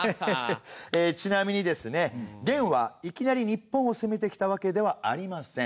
ちなみにですね元はいきなり日本を攻めてきたわけではありません。